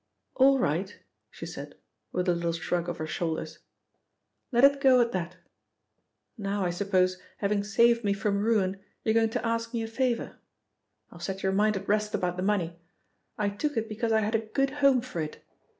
"All right," she said, with a little shrug of her shoulders. "Let it go at that. Now, I suppose, having saved me from ruin, you're going to ask me a favour? I'll set your mind at rest about the money. I took it because I had a good home for it.